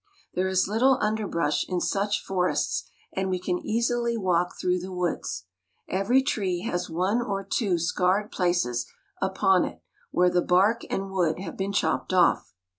There is little underbrush in such forests, and we can easily walk through the woods. Every tree has one or two scarred places upon it where the bark and wood have been chopped off.